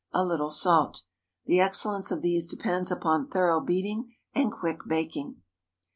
A little salt. The excellence of these depends upon thorough beating and quick baking.